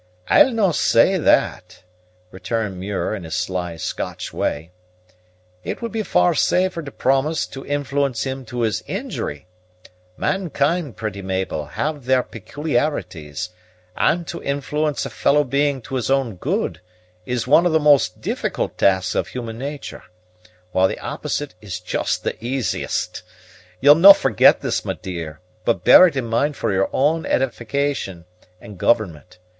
"I'll no' say that," returned Muir in his sly Scotch way; "it would be far safer to promise to influence him to his injury. Mankind, pretty Mabel, have their peculiarities; and to influence a fellow being to his own good is one of the most difficult tasks of human nature, while the opposite is just the easiest. You'll no' forget this, my dear, but bear it in mind for your edification and government.